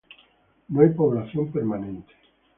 No hay población permanente.